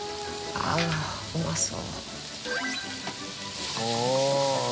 あっうまそう。